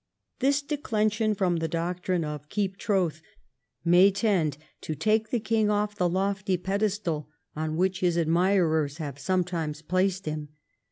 This declension from the doctrine of "keep troth " may tend to take the king off the lofty pedestal on Avhich his admirers have sometimes placed him.